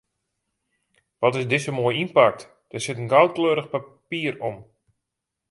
Wat is dizze moai ynpakt, der sit in goudkleurich papier om.